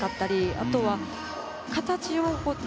あとは、形を。